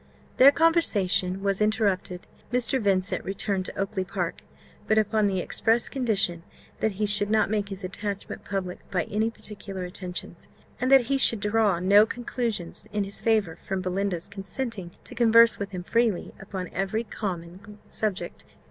Their conversation was interrupted. Mr. Vincent returned to Oakly park but upon the express condition that he should not make his attachment public by any particular attentions, and that he should draw no conclusions in his favour from Belinda's consenting to converse with him freely upon every common subject.